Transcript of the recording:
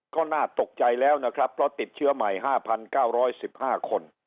ก็น่าตกใจแล้วนะครับเพราะติดเชื้อใหม่๕๙๑๕คน